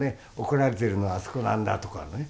怒られてるのはあそこなんだ」とかね。